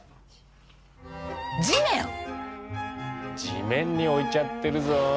地面に置いちゃってるぞ。